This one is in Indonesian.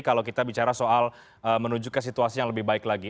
kalau kita bicara soal menuju ke situasi yang lebih baik lagi